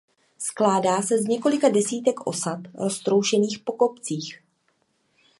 Skládá se z několika desítek osad roztroušených po kopcích.